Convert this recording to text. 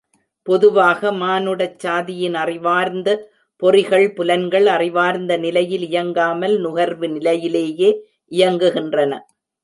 பொதுவாக மானுடச் சாதியின் அறிவார்ந்த பொறிகள் புலன்கள் அறிவார்ந்த நிலையில் இயங்காமல் நுகர்வு நிலையிலேயே இயங்குகின்றன.